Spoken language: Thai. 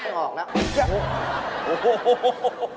โอ้โฮเดี๋ยว